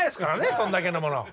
そんだけのもの。